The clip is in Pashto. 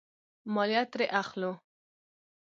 مالیه ترې اخلو.